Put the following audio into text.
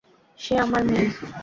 সে আমার মেয়ে!